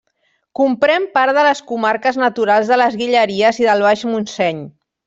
Comprèn part de les comarques naturals de les Guilleries i del Baix Montseny.